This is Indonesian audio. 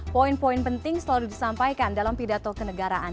poin poin penting selalu disampaikan dalam pidato kenegaraan